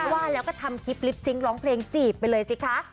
ว่าแล้วก็ทำคลิปลิปซิงค์ร้องเพลงจีบไปเลยสิคะ